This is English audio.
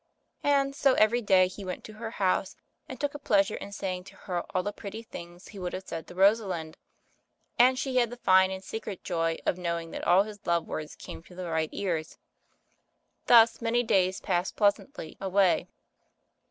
And so every day he went to her house, and took a pleasure in saying to her all the pretty things he would have said to Rosalind ; and she had the fine and secret joy of knowing that all his love words came to the right ears. Thus many days passed pleasantly away.